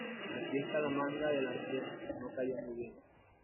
Aquí está la manga delante "No cayó muy bien".